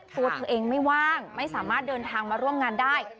ตัวเธอเองไม่ว่างไม่สามารถเดินทางมาร่วมงานได้